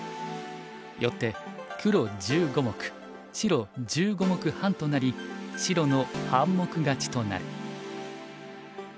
よって黒１５目白１５目半となり白の半目勝ちとなる。